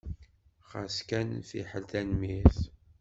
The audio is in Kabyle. Xas kan fiḥel! Tanemmirt.